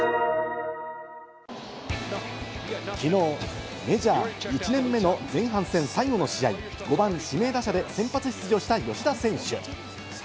きのうメジャー１年目の前半戦最後の試合、５番・指名打者で先発出場した吉田選手。